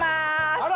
あら！